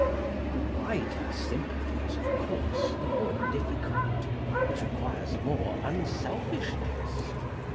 The wider sympathy is, of course, the more difficult. It requires more unselfishness.